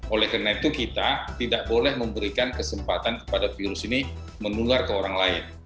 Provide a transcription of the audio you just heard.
oleh karena itu kita tidak boleh memberikan kesempatan kepada virus ini menular ke orang lain